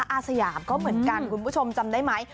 อาสยามก็เหมือนกันคุณผู้ชมจำได้ไหม